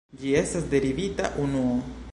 Ĝi estas derivita unuo.